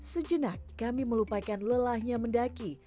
sejenak kami melupakan lelahnya mendaki